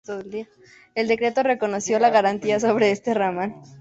El decreto reconoció la garantía sobre este ramal.